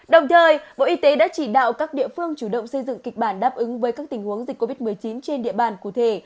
đồng thời bộ y tế đã chỉ đạo các địa phương chủ động xây dựng kịch bản đáp ứng với các tình huống dịch covid một mươi chín trên địa bàn cụ thể